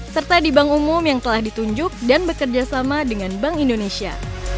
serta di bank umum yang telah ditunjuk dan bekerjasama dengan bank indonesia